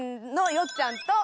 よっちゃん